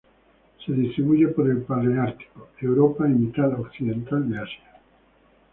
Se distribuye por el paleártico: Europa y mitad occidental de Asia.